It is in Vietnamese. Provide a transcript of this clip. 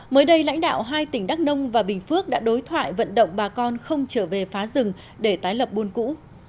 mới đây lãnh đạo hai tỉnh đắk nông và bình phước đã đối thoại vận động bà con không trở về phá rừng để tái lập buôn cũ